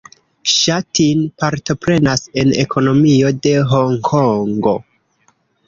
Ŝa Tin partoprenas en ekonomio de Honkongo.